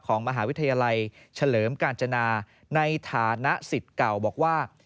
ของมหาวิทยาลัยเฉลิมกาญจนาในฐานะสิทธิ์เก่าบอกว่า